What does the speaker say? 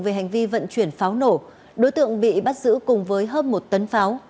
về hành vi vận chuyển pháo nổ đối tượng bị bắt giữ cùng với hơn một tấn pháo